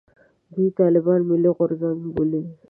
دوی طالبان «ملي غورځنګ» بولي.